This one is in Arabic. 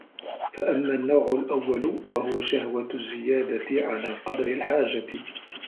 فَأَمَّا النَّوْعُ الْأَوَّلُ وَهُوَ شَهْوَةُ الزِّيَادَةِ عَلَى قَدْرِ الْحَاجَةِ